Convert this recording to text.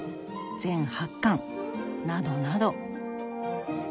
全８巻などなど。